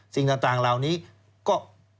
สิ่งต่างเหล่านี้ก็